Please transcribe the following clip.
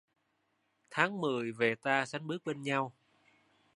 Tháng mười về ta sánh bước bên nhau